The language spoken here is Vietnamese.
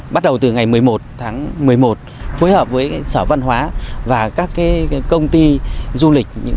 bắt đầu từ ngày một mươi một tháng một mươi một phối hợp với sở văn hóa và các công ty du lịch